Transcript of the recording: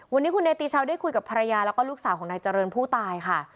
วันนี้คุณเนติชาวได้คุยกับภรรยาแล้วก็ลูกสาวของนายเจริญผู้ตายค่ะ